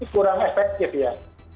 kurang efektif ya